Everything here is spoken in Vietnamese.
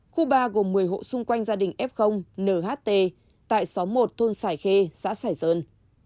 khu ba gồm một mươi hộ xung quanh gia đình f nht tại xóm một thôn sải khê xã sài sơn